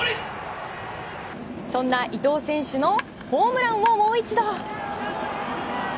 そんな伊藤選手のホームランをもう一度。